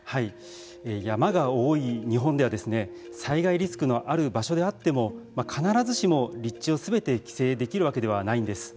山が多い日本では災害リスクのある場所であっても必ずしも立地をすべて規制できるわけではないんです。